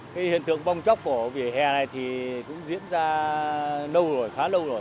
cái hiện tượng bong chóc của vỉa hè thì cũng diễn ra lâu rồi khá lâu rồi